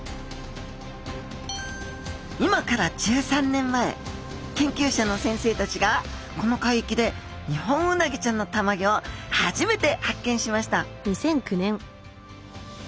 今から１３年前研究者の先生たちがこの海域でニホンウナギちゃんのたまギョを初めて発見しました